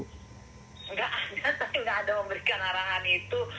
nggak ada tapi nggak ada yang memberikan arahan itu